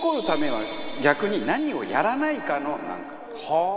はあ！